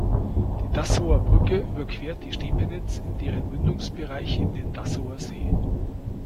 Die Dassower Brücke überquert die Stepenitz in deren Mündungsbereich in den Dassower See.